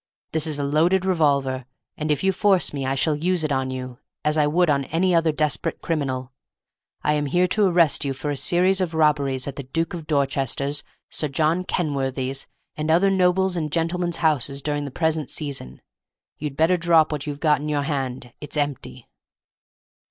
This is a loaded revolver, and if you force me I shall use it on you as I would on any other desperate criminal. I am here to arrest you for a series of robberies at the Duke of Dorchester's, Sir John Kenworthy's, and other noblemen's and gentlemen's houses during the present season. You'd better drop what you've got in your hand. It's empty."